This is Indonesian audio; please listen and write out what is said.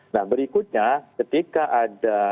nah berikutnya ketika ada